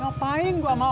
neng alia tuh udah dateng